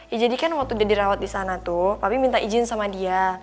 ya jadi kan waktu dia dirawat di sana tuh kami minta izin sama dia